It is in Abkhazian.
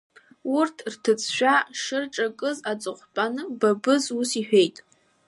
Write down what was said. Урҭ рҭыӡшәа шырҿакыз, аҵыхәтәан Бабыз ус иҳәеит…